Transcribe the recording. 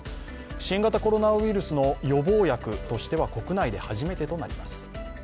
新型コロナウイルスの予防薬としては国内で初めてとなります。